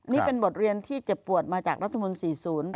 นี่เป็นบทเรียนที่เจ็บปวดมาจากรัฐมนตร์๔๐